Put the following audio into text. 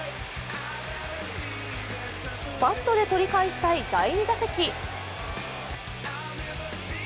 バットで取り返したい第２打席。